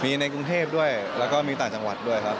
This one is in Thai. มีในกรุงเทพด้วยแล้วก็มีต่างจังหวัดด้วยครับ